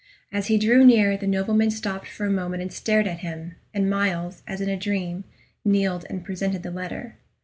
As he drew near, the nobleman stopped for a moment and stared at him, and Myles, as in a dream, kneeled, and presented the letter.